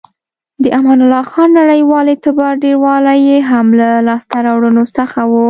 د امان الله خان نړیوال اعتبار ډیروالی یې هم له لاسته راوړنو څخه و.